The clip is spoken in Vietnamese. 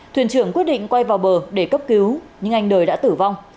thuyền trưởng quyết định quay vào bờ để cấp cứu nhưng anh đời đã tử vong